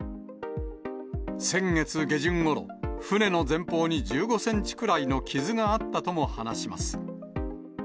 先月下旬ごろ、船の前方に１５センチくらいの傷があったとも話します。